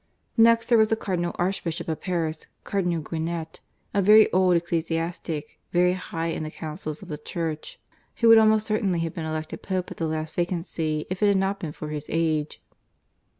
Next there was the Cardinal Archbishop of Paris, Cardinal Guinet, a very old ecclesiastic, very high in the counsels of the Church, who would almost certainly have been elected Pope at the last vacancy if it had not been for his age.